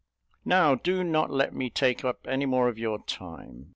Now do not let me take up any more of your time.